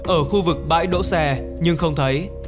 ở khu vực bãi đỗ xe nhưng không thấy